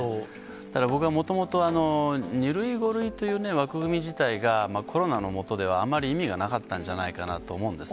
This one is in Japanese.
だから僕はもともと２類、５類という枠組み自体が、コロナの下ではあまり意味がなかったんじゃないかなと思うんです